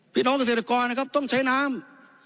พี่น้องเกษตรกรนะครับต้องใช้น้ำ